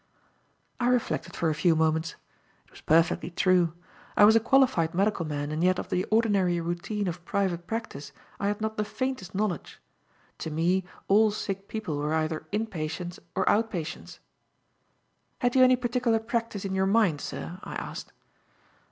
'" I reflected for a few moments. It was perfectly true. I was a qualified medical man, and yet of the ordinary routine of private practice I had not the faintest knowledge. To me, all sick people were either in patients or out patients. "Had you any particular practice in your mind, sir?" I asked.